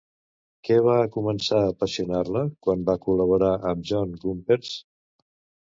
Què va començar a apassionar-la quan va col·laborar amb John Gumperz?